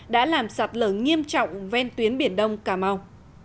đã làm sạt lở nghiêm trọng ven tuyến biển đông cà mau